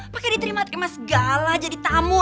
pakai diterima segala jadi tamu